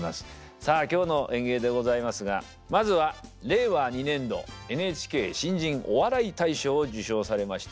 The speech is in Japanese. さあ今日の演芸でございますがまずは令和２年度ＮＨＫ新人お笑い大賞を受賞されました